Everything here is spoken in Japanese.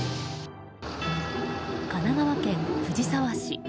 神奈川県藤沢市。